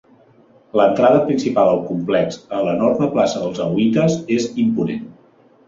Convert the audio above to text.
L'entrada principal al complex, a l'enorme plaça dels alauites, és imponent.